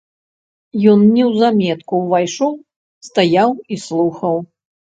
Ён неўзаметку ўвайшоў, стаяў і слухаў.